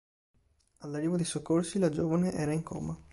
All'arrivo dei soccorsi, la giovane era in coma.